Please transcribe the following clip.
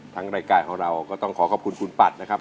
รายการของเราก็ต้องขอขอบคุณคุณปัดนะครับ